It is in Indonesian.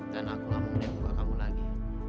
dan aku akan menembuka kamu lagi